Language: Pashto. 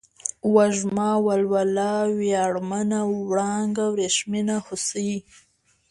وږمه ، ولوله ، وياړمنه ، وړانگه ، ورېښمينه ، هوسۍ